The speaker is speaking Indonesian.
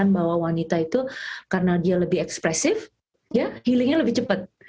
bahwa wanita itu karena dia lebih ekspresif ya healingnya lebih cepat